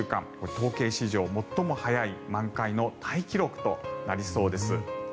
統計史上最も早い満開のタイ記録となりそうです。